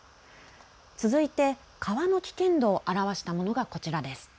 続いて川の危険度を表したものがこちらです。